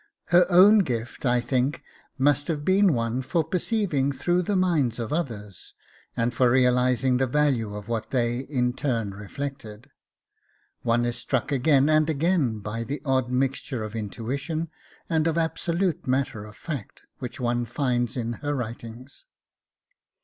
Her own gift, I think, must have been one for perceiving through the minds of others, and for realising the value of what they in turn reflected; one is struck again and again by the odd mixture of intuition, and of absolute matter of fact which one finds in her writings.